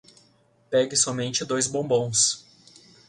Pegue somente dois bombons .